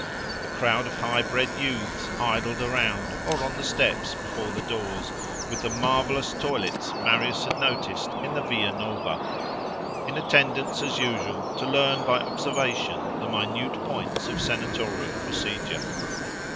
A crowd of high bred youths idled around, or on the steps before the doors, with the marvellous toilets Marius had noticed in the Via Nova; in attendance, as usual, to learn by observation the minute points of senatorial procedure.